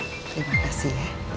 terima kasih ya